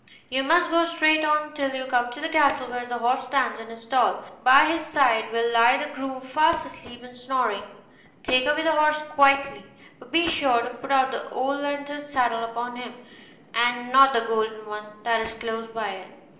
You must go straight on till you come to the castle where the horse stands in his stall: by his side will lie the groom fast asleep and snoring: take away the horse quietly, but be sure to put the old leathern saddle upon him, and not the golden one that is close by it.